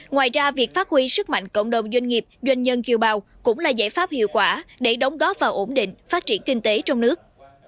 ngoài ra việc phát huy sức mạnh cộng đồng doanh nghiệp doanh nhân kiều bào cũng là giải pháp hiệu quả để đóng góp vào ổn định phát triển kinh tế trong nước